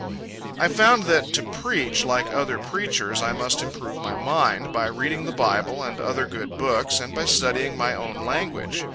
I found, that to preach, like other preachers, I must improve my mind, by reading the Bible and other good books, and by studying my own language.